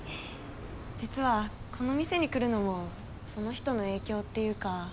実はこの店に来るのもその人の影響っていうか。